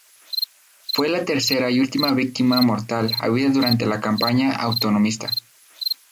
Fue la tercera y última víctima mortal habida durante la campaña autonomista.